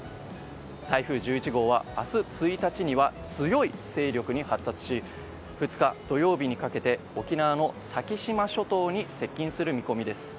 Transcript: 台風１１号は、明日１日には強い勢力に発達し２日、土曜日にかけて沖縄の先島諸島に接近する見込みです。